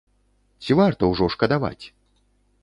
Ці варта ўжо шкадаваць?